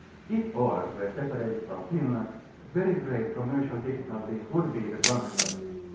If Aland were separated from Finland, very grave commercial difficulties would be the consequence.